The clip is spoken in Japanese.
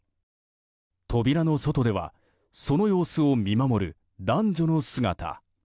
扉の外ではその様子を見守る男女の姿。